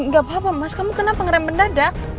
gapapa mas kamu kenapa ngerem benda dak